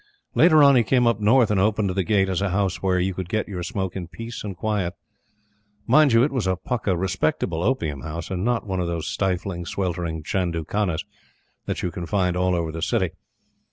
Later on, he came up north and opened the Gate as a house where you could get your smoke in peace and quiet. Mind you, it was a pukka, respectable opium house, and not one of those stifling, sweltering chandoo khanas, that you can find all over the City.